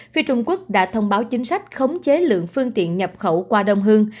phi trung quốc đã thông báo chính sách khống chế lượng phương tiện nhập khẩu qua đông hương